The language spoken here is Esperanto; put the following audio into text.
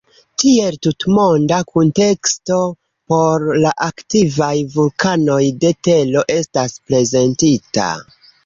Tiel, tutmonda kunteksto por la aktivaj vulkanoj de tero estas prezentita.